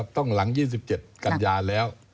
ต้องหลัง๒๗กันยาแล้ว